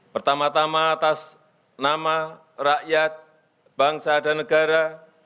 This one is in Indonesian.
pertama tama atas nama rakyat bangsa dan negara